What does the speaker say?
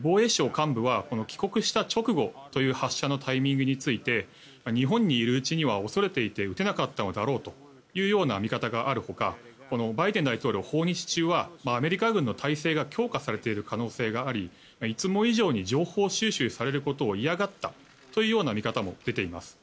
防衛省幹部は帰国した直後という発射のタイミングについて日本にいるうちには恐れていて撃てなかったのだろうという見方がある他バイデン大統領の訪日中はアメリカ軍の態勢が強化されている可能性がありいつも以上に情報収集されることを嫌がったというような見方も出ています。